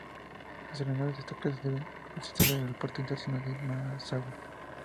Las aeronaves de esta clase deben utilizar el Aeropuerto Internacional de Massawa.